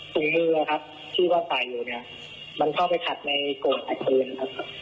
ตรงมือครับที่ว่าฝ่ายอยู่เนี้ยมันเข้าไปถัดในโกรธศักดิ์ฟื้นครับ